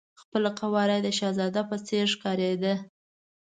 خپله قواره یې د شهزاده په څېر ښکارېده.